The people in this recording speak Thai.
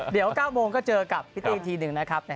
เดี๋ยว๙โมงก็เจอกับพี่ตี้อีกทีหนึ่งนะครับ